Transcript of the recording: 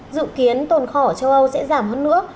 dự kiến tồn kho ở châu âu sẽ giảm hơn nữa